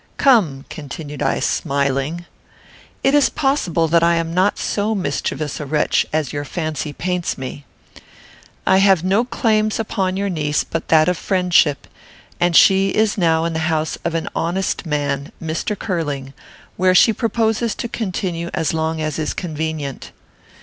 Come," continued I, smiling, "it is possible that I am not so mischievous a wretch as your fancy paints me. I have no claims upon your niece but that of friendship, and she is now in the house of an honest man, Mr. Curling, where she proposes to continue as long as is convenient.